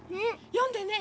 よんでね！